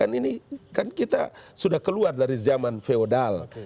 ini kan kita sudah keluar dari zaman feodal